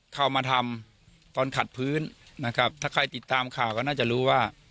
เข้ามาทำตอนขัดพื้นนะครับถ้าใครติดตามข่าวก็น่าจะรู้ว่า